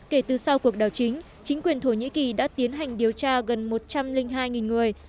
kể từ sau cuộc đảo chính chính quyền thổ nhĩ kỳ đã tiến hành điều tra gần một trăm linh hai người